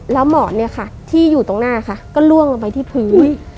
แล้วหมอดที่อยู่ตรงหน้าก็ร่วงลงไปที่พื้น